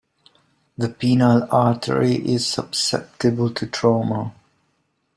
The penile artery is susceptible to trauma.